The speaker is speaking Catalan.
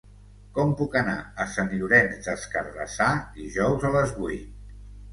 Com puc anar a Sant Llorenç des Cardassar dijous a les vuit?